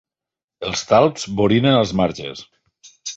Els talps borinen els marges.